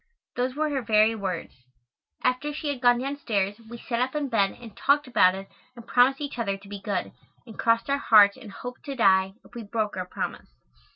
Those were her very words. After she had gone downstairs we sat up in bed and talked about it and promised each other to be good, and crossed our hearts and "hoped to die" if we broke our promise.